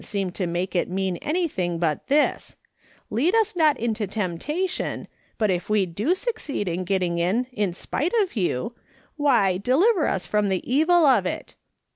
seem to make it mean anything but this :' Lead us not into temptation, but if we do succeed in getting in in spite of you, why, deliver us from the evil of it.